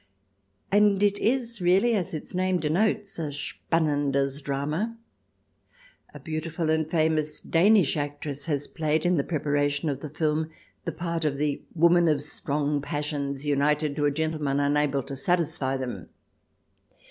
And it is really, as its name denotes, a " Spannendes Drama," A beautiful and famous Danish actress has played in the preparation of the film the part of the woman of strong passions united to a gentleman unable to satisfy them.